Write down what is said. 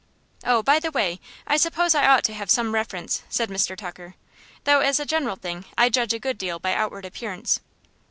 "Oh, by the way, I suppose I ought to have some reference," said Mr. Tucker, "though as a general thing I judge a good deal by outward appearance."